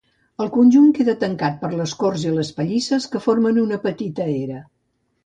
El conjunt queda tancat per les corts i les pallisses que formen una petita era.